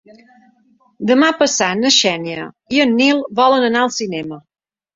Demà passat na Xènia i en Nil volen anar al cinema.